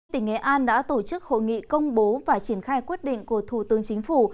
tỉnh nghệ an đã tổ chức hội nghị công bố và triển khai quyết định của thủ tướng chính phủ